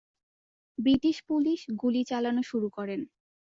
British police গুলি চালানো শুরু করেন।